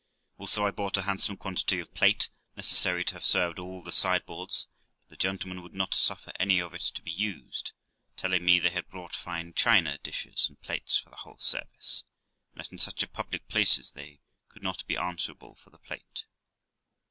Also I bought a handsome quantity of plate, necessary to have served all the sideboards ; but the gentlemen would not suffer any of it to be used, telling me they had brought fine china dishes and plates for the whole service, and that in such public places they could not be answerable for the plate.